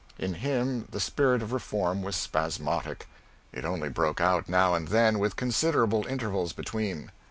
In him the spirit of reform was spasmodic. It only broke out now and then, with considerable intervals between.